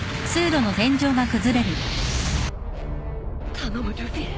頼むルフィ。